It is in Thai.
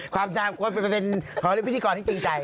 ความดามควรเป็นพอรุณพิธีกรที่ติดใจ